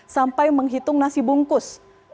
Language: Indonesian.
sampai menghitung nasi bungkus